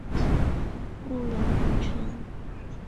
不溶于醇。